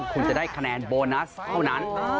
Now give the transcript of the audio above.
คุณจะได้คะแนนโบนัสเท่านั้น